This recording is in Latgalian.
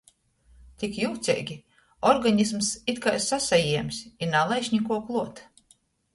Tik jūceigi, organisms it kai sasajiems i nalaiž nikuo kluot.